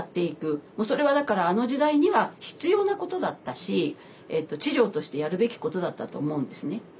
それはだからあの時代には必要なことだったし治療としてやるべきことだったと思うんですね。